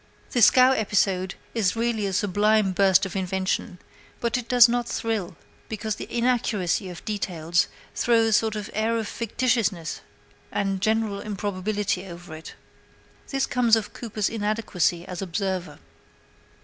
The scow episode is really a sublime burst of invention; but it does not thrill, because the inaccuracy of the details throws a sort of air of fictitiousness and general improbability over it. This comes of Cooper's inadequacy as an observer.